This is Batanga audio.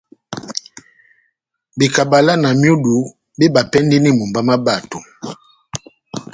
Bekabala na myudu mébapɛndini mumba má bato.